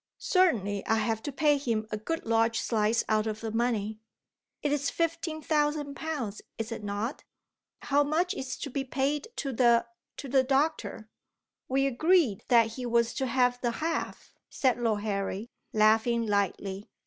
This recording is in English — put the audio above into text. "Certainly I have to pay him a good large slice out of the money." "It is fifteen thousand pounds, is it not? How much is to be paid to the to the doctor?" "We agreed that he was to have the half," said Lord Harry, laughing lightly.